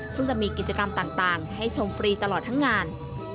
ซึ่งจะมีกิจกรรมต่างให้ชมฟรีตลอดทั้งงาน